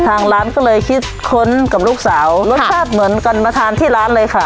ทางร้านก็เลยคิดค้นกับลูกสาวรสชาติเหมือนกันมาทานที่ร้านเลยค่ะ